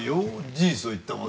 事実を言ったまで。